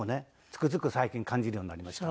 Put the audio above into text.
つくづく最近感じるようになりました。